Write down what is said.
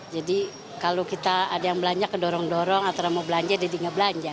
jadi kalau kita ada yang belanja kedorong dorong atau mau belanja jadi ngebelanja